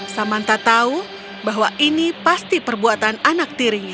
samanta tahu bahwa ini pasti perbuatan anak tirinya